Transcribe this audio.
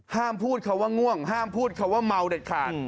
พูดคำว่าง่วงห้ามพูดคำว่าเมาเด็ดขาด